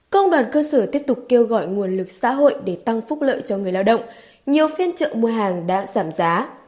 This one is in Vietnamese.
công đoàn cơ sở tiếp tục kêu gọi nguồn lực xã hội để tăng phúc lợi cho người lao động nhiều phiên trợ mua hàng đã giảm giá